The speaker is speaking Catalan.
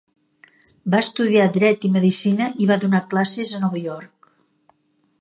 Va estudiar dret i medicina, i va donar classes a Nova York.